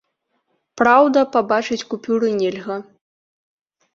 Праўда, пабачыць купюры нельга.